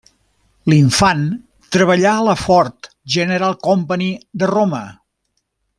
L'Infant treballà a la Ford General Company de Roma.